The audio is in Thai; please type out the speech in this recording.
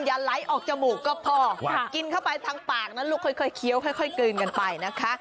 ไหลออกจมูกก็พอกินเข้าไปทางปากนั้นลูกค่อยเคี้ยวค่อยกลืนกันไปนะคะ